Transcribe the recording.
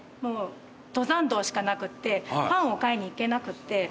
登山道しかなくてパンを買いに行けなくて。